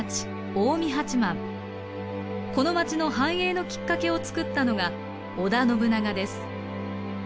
この町の繁栄のきっかけを作ったのが織田信長です。